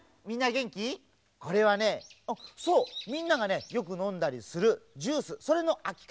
みんながねよくのんだりするジュースそれのあきかん。